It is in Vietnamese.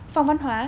phòng văn hóa